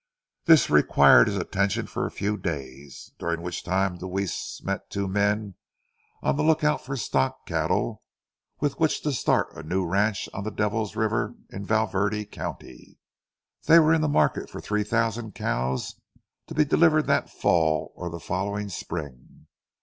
This required his attention for a few days, during which time Deweese met two men on the lookout for stock cattle with which to start a new ranch on the Devil's River in Valverde County. They were in the market for three thousand cows, to be delivered that fall or the following spring.